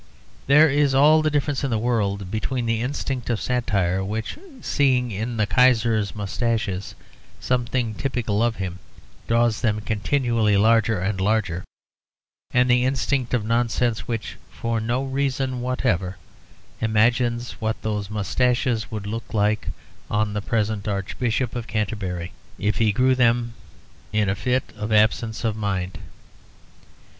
There is all the difference in the world between the instinct of satire, which, seeing in the Kaiser's moustaches something typical of him, draws them continually larger and larger; and the instinct of nonsense which, for no reason whatever, imagines what those moustaches would look like on the present Archbishop of Canterbury if he grew them in a fit of absence of mind.